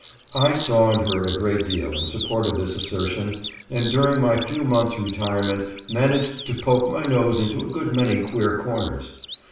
I saw and heard a great deal in support of this assertion, and during my few months' retirement managed to poke my nose into a good many queer corners.